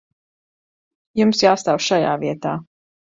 Jums jāstāv šajā vietā.